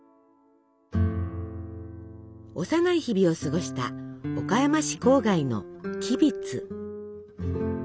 幼い日々を過ごした岡山市郊外の吉備津。